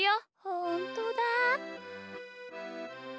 ほんとだ！